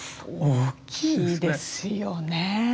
大きいですよね。